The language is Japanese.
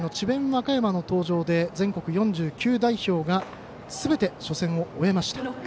和歌山の登場で全国４９代表がすべて初戦を終えました